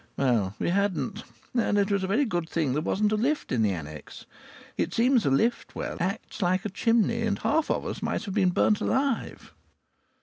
Well we hadn't. And it was a very good thing there wasn't a lift in the annexe. It seems a lift well acts like a chimney, and half of us might have been burnt alive.